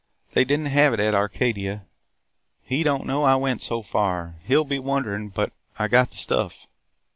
They did n't have it at Arcadia. He don't know I went so far. He 'll be wonderin' – but I got the stuff!'